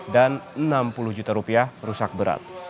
dan enam puluh juta rupiah rusak berat